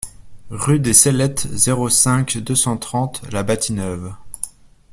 Rue des Cellettes, zéro cinq, deux cent trente La Bâtie-Neuve